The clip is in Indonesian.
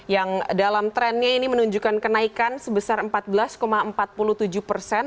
yang dalam trennya ini menunjukkan kenaikan sebesar empat belas empat puluh tujuh persen